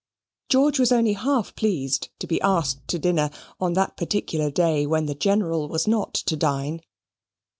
George was only half pleased to be asked to dinner on that particular day when the General was not to dine.